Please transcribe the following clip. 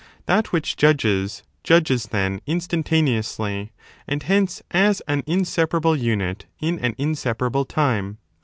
That which judges judges, then, instantaneously and hence as an inseparable unit in an inseparable time.